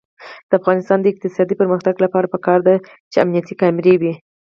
د افغانستان د اقتصادي پرمختګ لپاره پکار ده چې امنیتي کامرې وي.